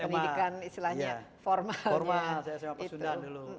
pendidikan istilahnya formal